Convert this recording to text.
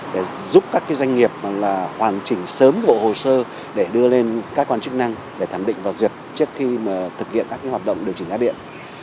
để giúp các doanh nghiệp hoàn chỉnh sớm bộ hồ sơ để đưa lên các quan chức năng để thẩm định và duyệt trước khi thực hiện các hoạt động điều chỉnh giá điện